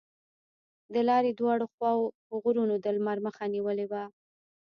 د لارې دواړو خواوو غرونو د لمر مخه نیولې وه.